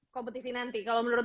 kompetisi nanti kalau menurut